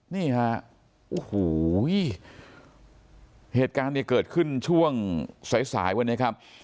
นี่ฮะโอ้โหเหตุการณ์เนี่ยเกิดขึ้นช่วงสายสายวันนี้ครับ